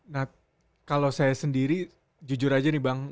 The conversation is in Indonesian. nah kalau saya sendiri jujur aja nih bang